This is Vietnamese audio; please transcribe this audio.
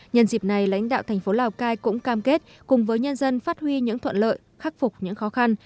nhân dịp này lãnh đạo thành phố lào cai cũng cam kết cùng với nhân dân phát huy những thuận lợi khắc phục những khó khăn